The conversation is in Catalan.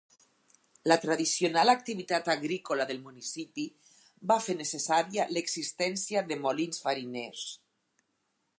La tradicional activitat agrícola del municipi va fer necessària l'existència de molins fariners.